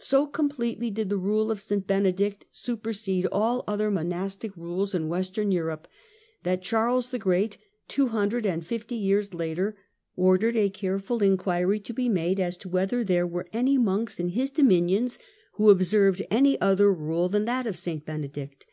So completely did the rule of St. Benedict supersede all other monastic rules in Western Europe that Charles the Great, two hundred and fifty years later, ordered a careful inquiry to be made as to whether there were any monks in his dominions who observed any other rule than that of St. Benedict.